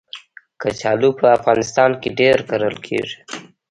کچالو په افغانستان کې ډېر کرل کېږي